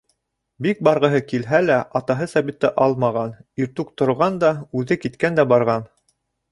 Бик барғыһы килһә лә, атаһы Сабитты алмаған, иртүк торған да үҙе киткән дә барған.